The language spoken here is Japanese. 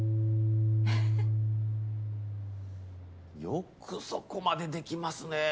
よくそこまでできますね。